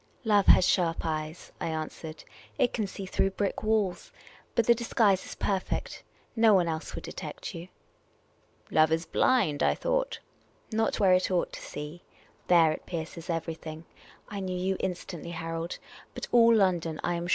'* Love has sharp eyes, '' I answered. It can see through brick walls. But the disguise is perfect. No one else would detect you." " Love is blind, I thought." " Not where it ought to see. There, it pierces everything. I knew you instantly, Harold. But all London, I am